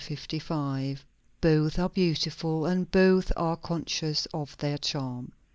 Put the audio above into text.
Both are beautiful, and both are conscious of their charm.